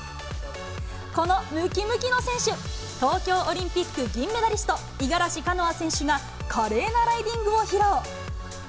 このむきむきの選手、東京オリンピック銀メダリスト、五十嵐カノア選手が、華麗なライディングを披露。